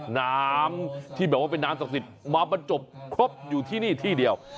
น้ำที่แบบว่าเป็นน้ำศักดิ์สิทธิ์มาบรรจบครบอยู่ที่นี่ที่เดียว